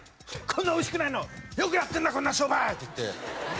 「こんな美味しくないのよくやってるなこんな商売！」っていって。